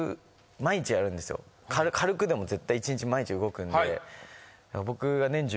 軽くでも絶対毎日動くんで。